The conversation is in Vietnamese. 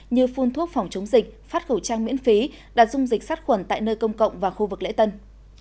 như phun thuốc phòng chống dịch phát khẩu trang miễn phí đạt dung dịch sát khuẩn tại nơi công cộng và khu vực lễ tân